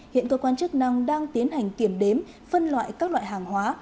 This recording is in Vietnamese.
hiện cơ quan chức năng đang tiến hành kiểm đếm phân loại các loại hàng hóa